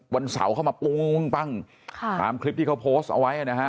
วันเสาร์เข้ามาปุ้งปั้งค่ะตามคลิปที่เขาโพสต์เอาไว้นะฮะ